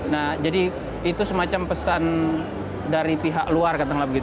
nah jadi itu semacam pesan dari pihak luar